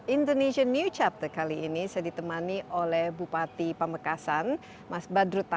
indonesian new chapter kali ini saya ditemani oleh bupati pemekasan mas badrut tamam